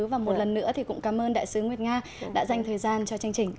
và một lần nữa thì cũng cảm ơn đại sứ nguyệt nga đã dành thời gian cho chương trình